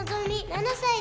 ７歳。